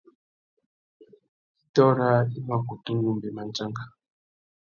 Kitô râā i ma kutu numbe mándjanga.